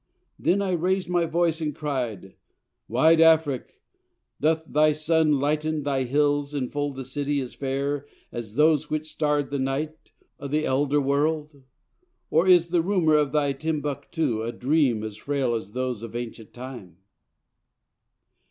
Then I rais'd My voice and cried 'Wide Afric, doth thy Sun Lighten, thy hills enfold a City as fair As those which starr'd the night o' the Elder World? Or is the rumour of thy Timbuctoo A dream as frail as those of ancient Time?'